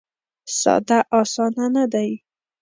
ساده اسانه نه دی.